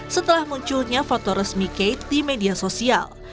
setelah munculnya foto resmi kate di media sosial